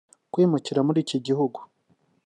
Kwimukira muri iki gihugu